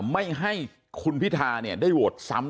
ไม่ให้คุณพิธาได้โหวตซ้ำ